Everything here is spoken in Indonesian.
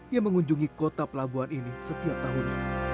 yang mengunjungi kota pelabuhan ini setiap tahunnya